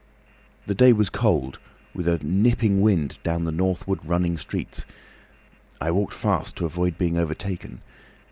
"The day was cold, with a nipping wind down the northward running streets. I walked fast to avoid being overtaken.